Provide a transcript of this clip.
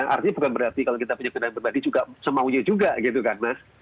artinya bukan berarti kalau kita punya kendaraan pribadi juga semaunya juga gitu kan mas